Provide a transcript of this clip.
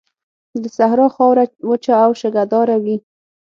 د صحرا خاوره وچه او شګهداره وي.